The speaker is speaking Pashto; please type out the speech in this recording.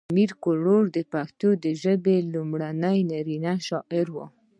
امیر کروړ د پښتو لومړی نرینه شاعر و .